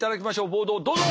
ボードをどうぞ！